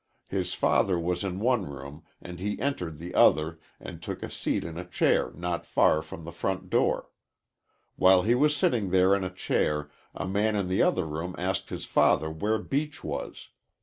His father was in one room and he entered the other and took a seat in a chair not far from the front door. While he was sitting there in a chair, a man in the other room asked his father where Beach was.